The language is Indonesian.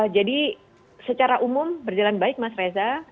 jadi secara umum berjalan baik mas reza